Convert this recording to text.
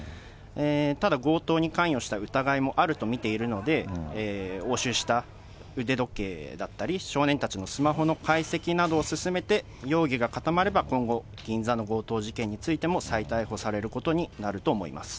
ただ、強盗に関与した疑いもあると見ているので、押収した腕時計だったり、少年たちのスマホの解析などを進めて、容疑が固まれば、今後、銀座の強盗事件についても再逮捕されることになると思います。